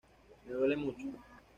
Me duele mucho.